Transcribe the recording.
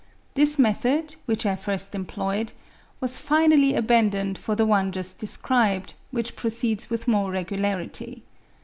This method, which I first employed, was finally abandoned for the one just described, which proceeds with more regularity.